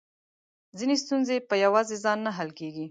ځينې ستونزې په يواځې ځان نه حل کېږي .